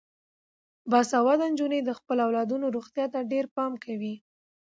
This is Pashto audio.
باسواده نجونې د خپلو اولادونو روغتیا ته ډیر پام کوي.